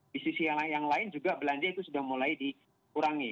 di sisi yang lain juga belanja itu sudah mulai dikurangi